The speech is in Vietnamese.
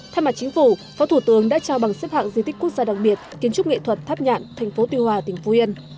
thay mặt chính phủ phó thủ tướng đã trao bằng xếp hạng di tích quốc gia đặc biệt kiến trúc nghệ thuật tháp nhạn thành phố tuy hòa tỉnh phú yên